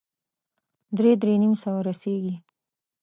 درې- درې نيم سوه ته رسېږي.